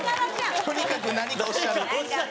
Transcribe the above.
「とにかく何かおっしゃる」。